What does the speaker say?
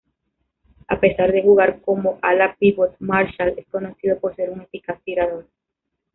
A pesar de jugar como ala-pívot, Marshall es conocido por ser un eficaz tirador.